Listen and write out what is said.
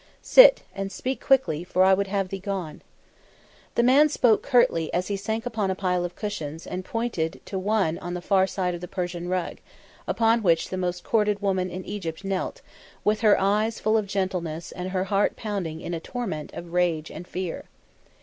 "Sit and speak quickly, for I would have thee gone." The man spoke curtly as he sank upon a pile of cushions and pointed to one on the far side of the Persian rug, upon which the most courted woman in Egypt knelt, with her eyes full of gentleness and her heart pounding in a torment of rage and fear.